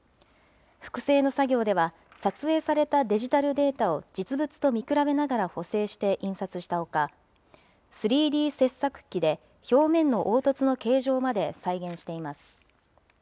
複製の作業では、撮影されたデジタルデータを実物と見比べながら補正して印刷したほか、３Ｄ切削機で表面の凹凸の形状まで再現しています。